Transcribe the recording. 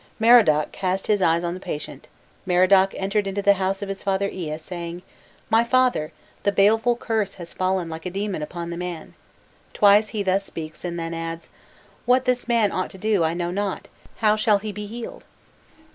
Merodach cast his eyes on the patient, Merodach entered into the house of his father Ea, saying: "My father, the baleful curse has fallen like a demon upon the man!" Twice he thus speaks, and then adds: "What this man ought to do, I know not; how shall he be healed?"